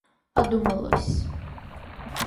Одумалась.